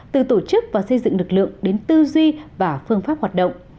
từ tổ chức và xây dựng lực lượng đến tư duy và phương pháp hoạt động